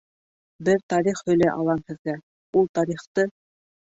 Бер тарих һөйләй алам һеҙгә, ул тарихты...